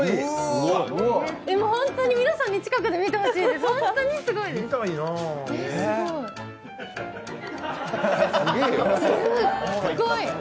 すっごい！